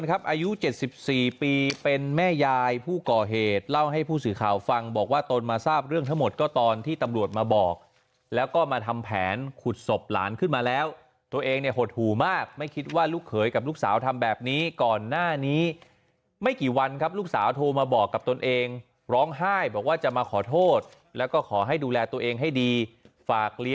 อายุ๗๔ปีเป็นแม่ยายผู้ก่อเหตุเล่าให้ผู้สื่อข่าวฟังบอกว่าตนมาทราบเรื่องทั้งหมดก็ตอนที่ตำรวจมาบอกแล้วก็มาทำแผนขุดศพหลานขึ้นมาแล้วตัวเองเนี่ยหดหู่มากไม่คิดว่าลูกเขยกับลูกสาวทำแบบนี้ก่อนหน้านี้ไม่กี่วันครับลูกสาวโทรมาบอกกับตนเองร้องไห้บอกว่าจะมาขอโทษแล้วก็ขอให้ดูแลตัวเองให้ดีฝากเล